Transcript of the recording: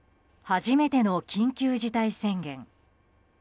初めての緊急事態宣言。